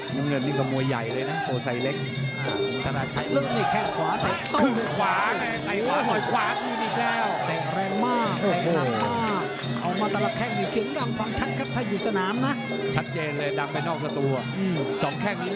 เหลืออีก๑นาทีกับ๑๐วินาที